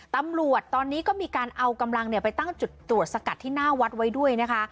ตำรวจตอนนี้ก็มีการเอากำลังไปตั้งจุดตรวจสกัดที่หน้าวัดไว้ด้วยนะคะ